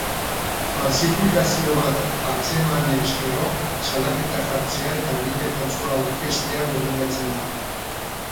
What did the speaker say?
Faltsifikazio bat atzemanez gero, salaketa jartzea eta billete faltsua aurkeztea gomendatzen da.